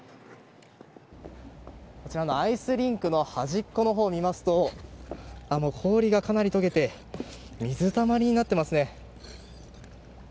こちらのアイスリンクの端っこのほうを見ますと氷がかなり解けて水たまりになっていますね。